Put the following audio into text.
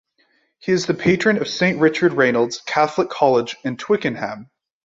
He is the patron of Saint Richard Reynolds Catholic College in Twickenham.